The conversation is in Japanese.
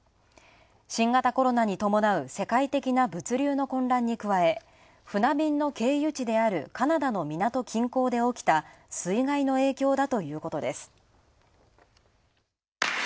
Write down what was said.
新型コロナに伴う世界的な物流の混乱に加え、船便の経由地であるカナダの港近郊で起きた水害の影響だということです。